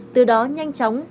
từ đó nhanh chóng